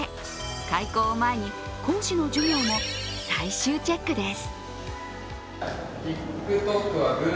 開校を前に講師の授業も最終チェックです。